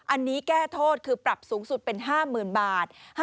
อันนี้แก้โทษคือปรับสูงสุดเป็น๕๐๐๐บาท